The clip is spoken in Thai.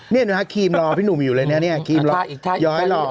นี่ในฮากครีมรอพี่หนูอยู่เลยเนี่ย